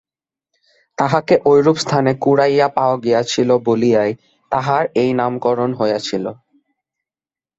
তাঁহাকে ঐরূপ স্থানে কুড়াইয়া পাওয়া গিয়াছিল বলিয়াই তাঁহার এই নামকরণ হইয়াছিল।